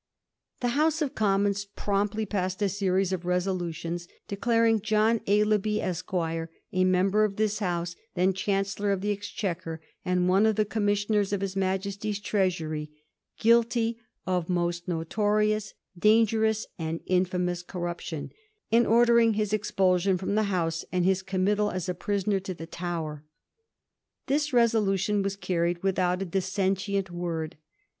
The House of Commons promptly passed a series of resolutions declaring * John Aislabie, Esquire, a Member of this House, then Chancellor of the Ex chequer and one of the Commissioners of his Majesty's Treasury,' guilty of * most notorious, dangerous, and infamous corruption,' and ordering his expulsion firom the House and his committal as a prisoner to the Tower. This resolution was carried without a dis sentient word.